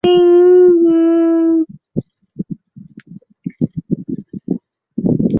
这次抗议活动导致德国占领当局关闭了所有高等院校。